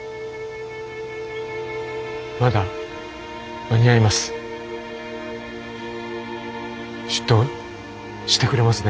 まだ間に合います。